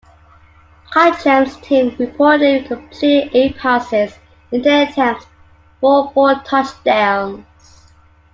Cochems' team reportedly completed eight passes in ten attempts for four touchdowns.